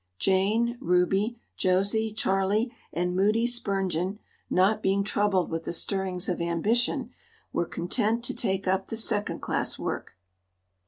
Jane, Ruby, Josie, Charlie, and Moody Spurgeon, not being troubled with the stirrings of ambition, were content to take up the Second Class work.